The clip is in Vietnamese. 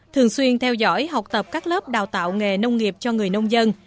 thường xuyên theo dõi học tập các lớp đào tạo nghề nông nghiệp cho người nông dân